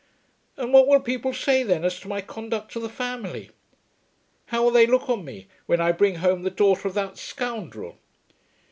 "And what will people say then as to my conduct to the family? How will they look on me when I bring home the daughter of that scoundrel?"